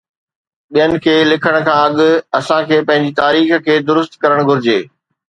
ٻين جي لکڻ کان اڳ، اسان کي پنهنجي تاريخ کي درست ڪرڻ گهرجي.